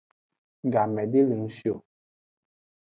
Game de le ng shi o.